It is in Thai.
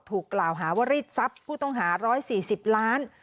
ถูกกล่าวหาว่ารีศทรัพย์ผู้ต้องหาร้อยสี่สิบล้าน